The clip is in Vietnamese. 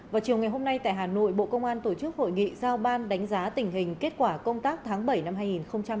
vào chiều ngày hôm nay tại hà nội bộ công an tổ chức hội nghị giao ban đánh giá tình hình kết quả công tác tháng bảy năm hai nghìn hai mươi ba